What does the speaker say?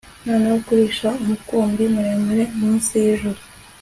Noneho kurisha umukumbi muremure munsi yijuru